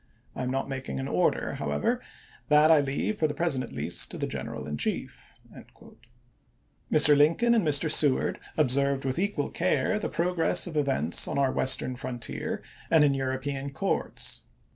I am not making an order, however ; that I leave, for the present at least, to the general tooSSSt, in chief." Mr. Lincoln and Mr. Seward observed ugMs!863 with equal care the progress of events on our West ern frontier and in European courts.